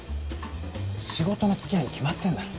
仕事の付き合いに決まってんだろ。